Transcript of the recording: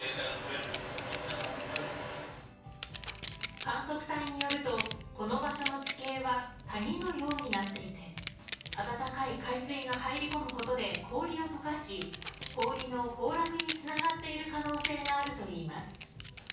観測隊によるとこの場所の地形は谷のようになっていて温かい海水が入り込むことで氷を溶かし氷の崩落につながっている可能性があるといいます。